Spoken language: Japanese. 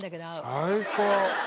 最高！